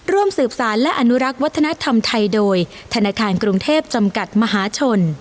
ร่วมสืบสารและอนุรักษ์วัฒนธรรมไทยโดยธนาคารกรุงเทพจำกัดมหาชน